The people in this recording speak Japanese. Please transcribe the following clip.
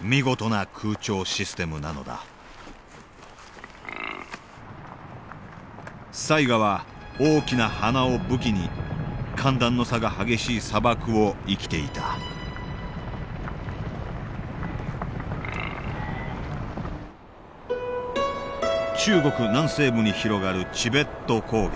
見事な空調システムなのだサイガは大きな鼻を武器に寒暖の差が激しい砂漠を生きていた中国南西部に広がるチベット高原。